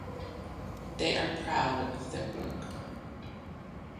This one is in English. They are proud of their work.